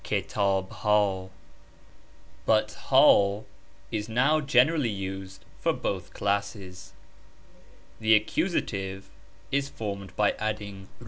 But U ha is now generally used for both classes. The accusative is formed by adding I.